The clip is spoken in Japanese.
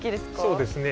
そうですね。